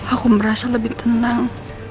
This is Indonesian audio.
aku merasa lebih tenang